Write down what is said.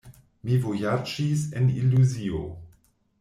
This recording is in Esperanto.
Mi vojaĝis en iluzio.